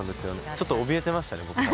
ちょっとおびえてましたね。